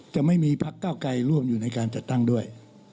จะไม่มีพักเก้าไกลร่วมอยู่ในการจัดตั้งด้วย